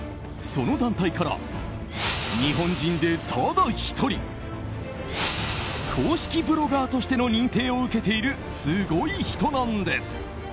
その団体から、日本人でただ１人公式ブロガーとしての認定を受けているすごい人なんです。